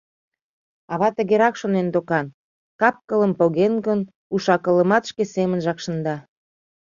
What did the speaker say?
Ава тыгерак шонен докан: кап-кылым поген гын, уш-акылымат шке семынжак шында.